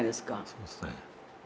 そうですね。